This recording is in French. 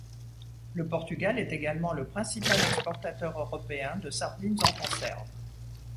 Le Portugal est également le principal exportateur européen de sardines en conserve.